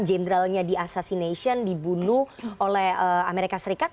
jendralnya di assassination dibunuh oleh amerika serikat